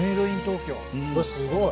うわすごい。